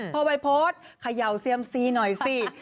พ่อวัยพฤติขย่าวเซียมซีหน่อยสิ